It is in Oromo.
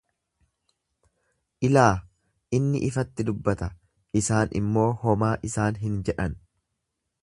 Ilaa, inni ifatti dubbata, isaan immoo homaa isaan hin jedhan.